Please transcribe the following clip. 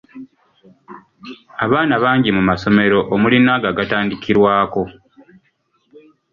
Abaana bangi mu masomero omuli n’ago agatandikirwako.